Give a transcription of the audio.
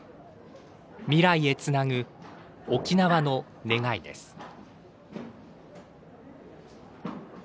未来へつなぐ、沖縄の願いです。